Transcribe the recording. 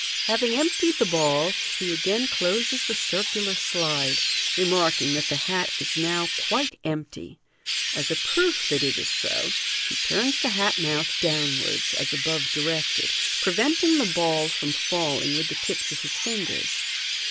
Having emptied the ball, he again closes the circular slide, remarking that the hat is now quite empty. As a proof that it is so, he turns the hat mouth downwards as above directed, preventing the ball fiom falling with the tips of his fingers.